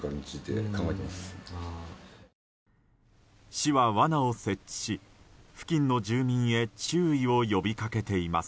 市は罠を設置し、付近の住民へ注意を呼びかけています。